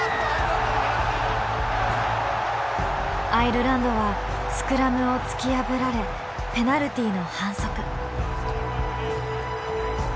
アイルランドはスクラムを突き破られペナルティーの反則。